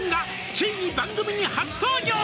「ついに番組に初登場」